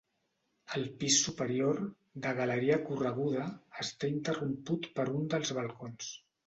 El pis superior, de galeria correguda, està interromput per un dels balcons.